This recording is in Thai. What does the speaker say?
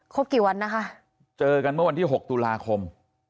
กี่วันนะคะเจอกันเมื่อวันที่๖ตุลาคม